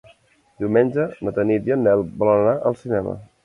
Diumenge na Tanit i en Nel volen anar al cinema.